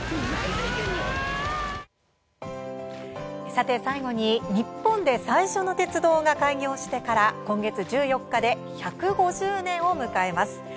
さて、最後に日本で最初の鉄道が開業してから今月１４日で１５０年を迎えます。